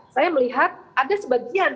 saya melihat ada sebagian